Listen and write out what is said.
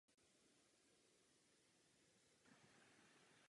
Nedaleko se nalézá lom Velká Amerika.